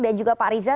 dan juga pak riza